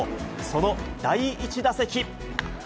その第１打席。